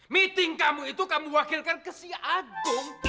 meeting kamu itu kamu wakilkan ke si agung